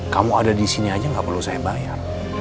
kamu ada di sini aja nggak perlu saya bayar